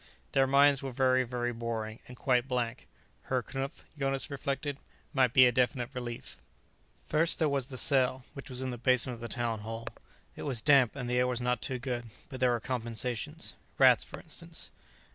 Their minds were very, very boring, and quite blank. Herr Knupf, Jonas reflected, might be a definite relief. First there was the cell, which was in the basement of the Town Hall. It was damp and the air was not too good, but there were compensations. Rats, for instance.